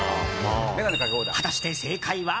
果たして正解は？